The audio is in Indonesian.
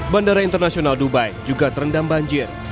bandara internasional dubai juga terendam banjir